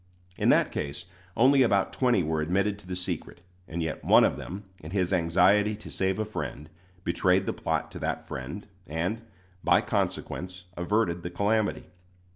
In that case only about twenty were admitted to the secret; and yet one of them, in his anxiety to save a friend, betrayed the plot to that friend, and, by consequence, averted the calamity.